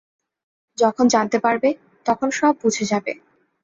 যখন জানতে পারবে, তখন সব বুঝে যাবে।